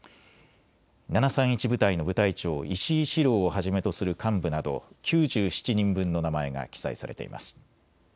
７３１部隊の部隊長、石井四郎をはじめとする幹部など９７人分の名前が記載されています。